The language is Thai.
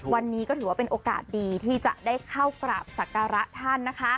วันนี้ก็ถือว่าเป็นโอกาสดีที่จะได้เข้ากราบศักระท่านนะคะ